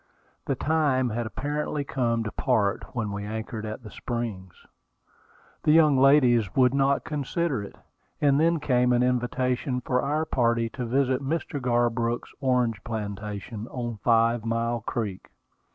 The time had apparently come to part when we anchored at the Springs. The young ladies would not consider it; and then came an invitation for our party to visit Mr. Garbrook's orange plantation on Five Mile Creek.